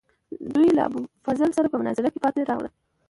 دوی له ابوالفضل سره په مناظره کې پاتې راغلل.